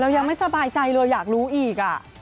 ยังไม่สบายใจเลยอยากรู้อีก